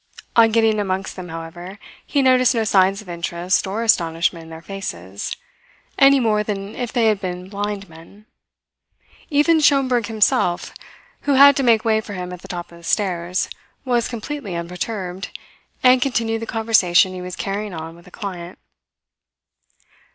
On getting amongst them, however, he noticed no signs of interest or astonishment in their faces, any more than if they had been blind men. Even Schomberg himself, who had to make way for him at the top of the stairs, was completely unperturbed, and continued the conversation he was carrying on with a client.